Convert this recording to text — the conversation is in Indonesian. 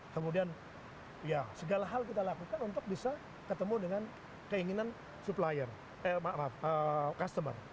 kemudian ya segala hal kita lakukan untuk bisa ketemu dengan keinginan customer